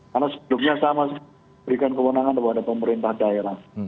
karena sebetulnya sama berikan kewenangan kepada pemerintah daerah